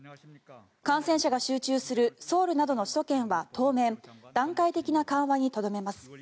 感染者が集中するソウルなどの首都圏は当面、段階的な緩和にとどめます。